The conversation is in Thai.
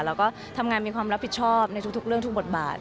แล้วก็ทำงานมีความรับผิดชอบในทุกเรื่องทุกบทบาท